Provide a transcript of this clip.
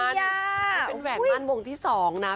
มันมีแสดงของวงที่๒นะ